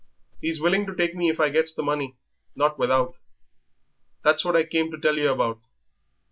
He's willing to take me if I gets the money, not without. That's what I came to tell yer about."